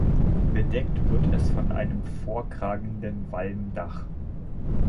Bedeckt wird es von einem vorkragenden Walmdach.